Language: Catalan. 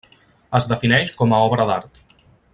Es defineix com a obra d'art.